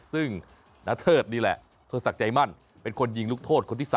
ซึ่งณเทิดนี่แหละเทิดศักดิ์ใจมั่นเป็นคนยิงลูกโทษคนที่๓